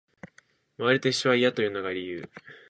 周りと一緒は嫌というのが理由